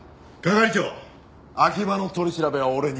係長秋葉の取り調べは俺に。